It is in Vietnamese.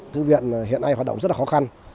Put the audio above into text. thư viện hiện nay hoạt động rất khó khăn